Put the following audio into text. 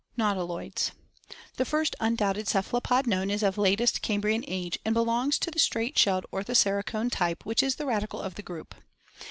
Nautiloids. The first undoubted cephalopod known is of latest Cam brian age, and belongs to the straight shelled Ortho ceracone type which is the radicle of the group.